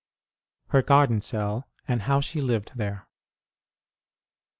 HER GARDEN CELL, AND HOW SHE LIVED THERE.